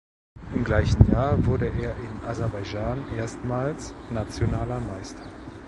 Im gleichen Jahr wurde er in Aserbaidschan erstmals nationaler Meister.